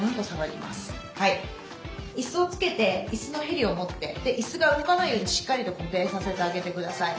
いすをつけていすのへりを持っていすが動かないようにしっかりと固定させてあげて下さい。